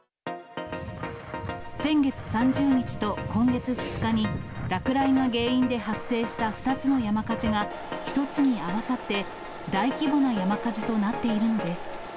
先月３０日と今月２日に、落雷が原因で発生した２つの山火事が１つに合わさって、大規模な山火事となっているのです。